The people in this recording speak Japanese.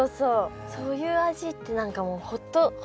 そういう味って何かもうほっとする。